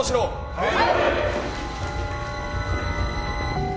はい！